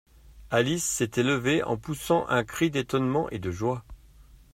Alice s’était levée en poussant un cri d’étonnement et de joie.